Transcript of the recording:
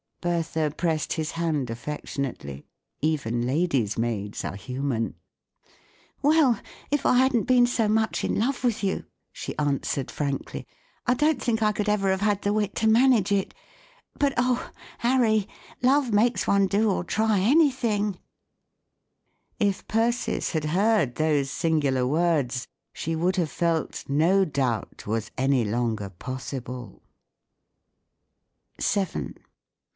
" Bertha pressed his hand affectionately. Even ladies' maids are human. " Well, if I hadn't been so much in love with you," she answered, frankly, " I don't think I could per have had the wit to manage UNIVERSITY OF MICHIGAN VoLiv ^ 3 86 THE STRAND MAGAZINE . it. But, oh ! Harry, love makes one do or try anything! " If Persis had heard those singular words, she would have felt no doubt was any longer possible, VII.